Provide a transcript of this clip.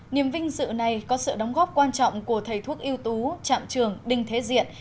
niềm vinh dự này có sự đóng góp quan trọng của thầy thuốc yêu tú trạm trường đinh thế diện